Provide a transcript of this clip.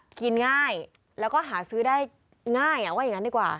กินง่ายแล้วก็หาซื้อได้ง่ายว่าอย่างนั้นดีกว่า